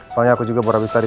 soalnya aku juga baru habis tadi